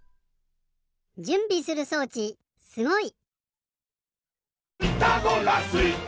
じゅんびする装置すごい！